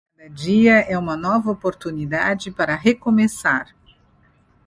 Cada dia é uma nova oportunidade para recomeçar.